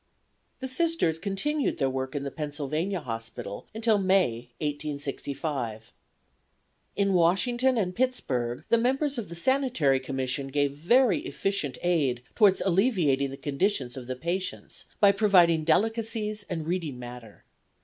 The Sisters continued their work in the Pennsylvania Hospital until May, 1865. In Washington and Pittsburg the members of the Sanitary Commission gave very efficient aid towards alleviating the conditions of the patients by providing delicacies and reading matter.